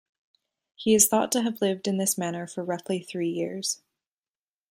He is thought to have lived in this manner for roughly three years.